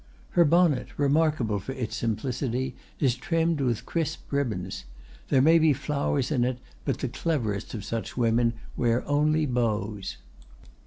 "Her bonnet, remarkable for its simplicity, is trimmed with crisp ribbons; there may be flowers in it, but the cleverest of such women wear only bows.